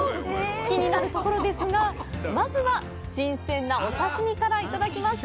気になるところですがまずは、新鮮なお刺身からいただきます。